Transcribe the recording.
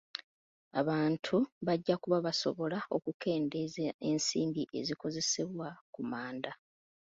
Abantu bajja kuba basobola okukendeeza ensimbi ezikozesebwa ku manda.